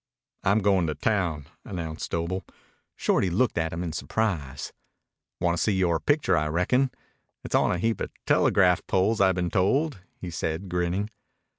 "I'm goin' to town," announced Doble. Shorty looked at him in surprise. "Wanta see yore picture, I reckon. It's on a heap of telegraph poles, I been told," he said, grinning.